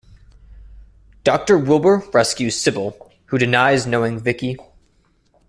Doctor Wilbur rescues Sybil, who denies knowing Vickie.